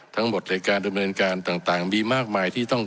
ทั้งหมดในการดำเนินการต่างมีมากมายที่ต้อง